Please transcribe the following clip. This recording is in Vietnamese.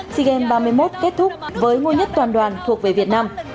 sea games ba mươi một kết thúc với ngôi nhất toàn đoàn thuộc về việt nam